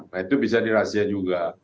nah itu bisa dirahsiakan juga